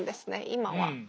今は。